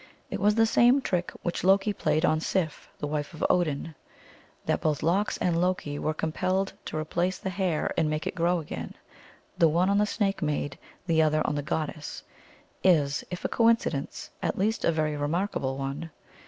It was the same trick which Loki played on Sif, the wife of Odin. That both Lox and Loki were compelled to replace the hair and make it grow again the one on the snake maid, the other on the goddess is, if a coin cidence, at least a very remarkable one.